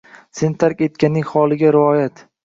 Seni tark etganning holiga rioyat